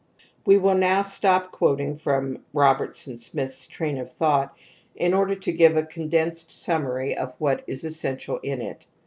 We will now stop quoting from Robertson Smith's train of thought in order to give a condensed summary of what is essential in it.